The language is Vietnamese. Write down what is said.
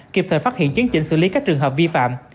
kịp thời phát hiện chiến trình xử lý các trường hợp vi phạm